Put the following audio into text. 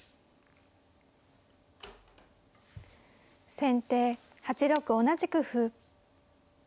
先手８六同じく歩。